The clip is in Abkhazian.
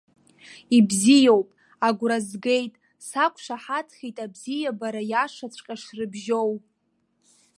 Ибзиоуп, агәра згеит, сақәшаҳаҭхеит абзиабара иашаҵәҟьа шрыбжьоу.